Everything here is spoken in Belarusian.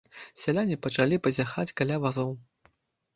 Сяляне пачалі пазяхаць каля вазоў.